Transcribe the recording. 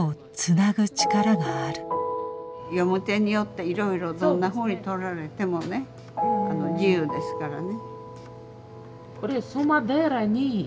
読み手によっていろいろどんなふうにとられてもね自由ですからね。